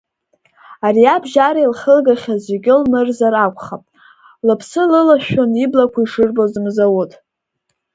Ариабжьарак илхылгахьаз зегьы лнырзар акәхап, лыԥсы лылышәшәон иблақәа ишырбоз мзауҭ.